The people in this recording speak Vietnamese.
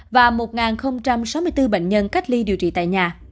và một sáu mươi bốn bệnh nhân cách ly điều trị tại nhà